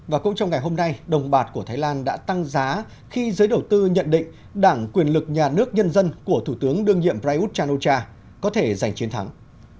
và cũng trong ngày hôm nay đồng bạc của thái lan đã tăng giá khi giới đầu tư nhận định đảng quyền lực nhà nước nhân dân của thủ tướng đương nhiệm prayuth chan o cha có thể giành chiến thắng